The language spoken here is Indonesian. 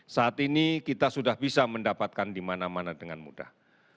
saat ini kita sudah bisa mendapatkan di mana mana dengan mudah